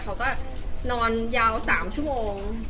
เขาก็นอนยาว๓ชั่วโมง